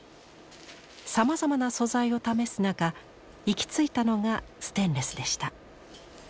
さまざまな素材を試す中行き着いたのがステンレスでした。